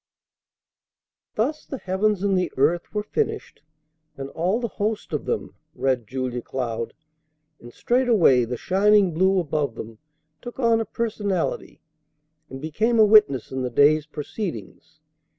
"Thus the heavens and the earth were finished, and all the host of them," read Julia Cloud; and straightway the shining blue above them took on a personality, and became a witness in the day's proceedings.